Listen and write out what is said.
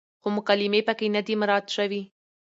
خو مکالمې پکې نه دي مراعت شوې،